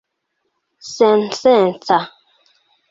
sensenca